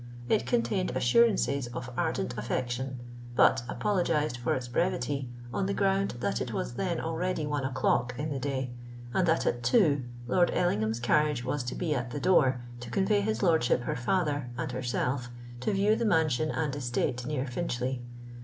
It contained assurances of ardent affection, but apologised for its brevity, on the ground that it was then already one o'clock in the day, and that at two Lord Ellingham's carriage was to be at the door to convey his lordship, her father, and herself to view the mansion and estate near Finchley.